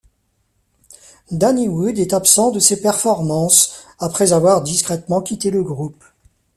Danny Wood est absent de ces performances, après avoir discrètement quitté le groupe.